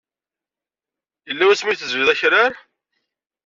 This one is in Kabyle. Yella wasmi ay tezliḍ akrar?